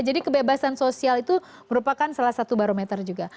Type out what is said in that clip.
jadi kebebasan sosial itu merupakan salah satu barometer juga